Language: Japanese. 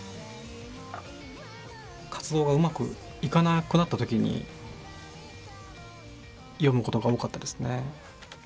活動がうまくいかなくなった時に読むことが多かったですね。